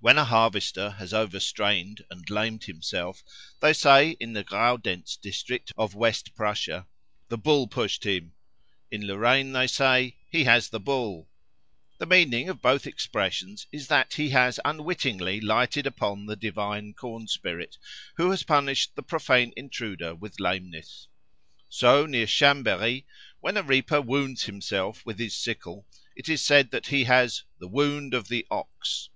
When a harvester has overstrained and lamed himself, they say in the Graudenz district of West Prussia, "The Bull pushed him"; in Lorraine they say, "He has the Bull." The meaning of both expressions is that he has unwittingly lighted upon the divine corn spirit, who has punished the profane intruder with lameness. So near Chambéry when a reaper wounds himself with his sickle, it is said that he has "the wound of the Ox."